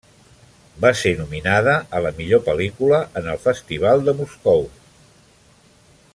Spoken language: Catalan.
Va ser nominada a la millor pel·lícula en el Festival de Moscou.